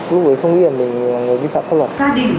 và không vi phạm pháp luật